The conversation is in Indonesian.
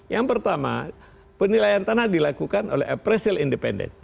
yang pertama penilaian tanah dilakukan oleh appraisal independent